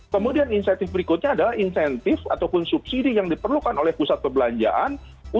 kemudian insentif berikutnya adalah insentif ataupun subsidi yang diperlukan oleh pusat perbelanjaan